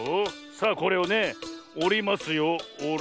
さあこれをねおりますよ。